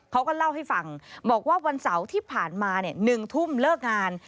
เขาก็เล่าให้ฟังบอกว่าวันเสาร์ที่ผ่านมา๑ทุ่มเลิกงาน